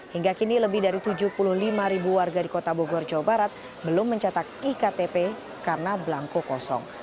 hingga kini lebih dari tujuh puluh lima ribu warga di kota bogor jawa barat belum mencetak iktp karena belangko kosong